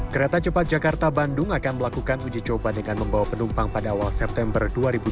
kereta cepat jakarta bandung akan melakukan uji coba dengan membawa penumpang pada awal september dua ribu dua puluh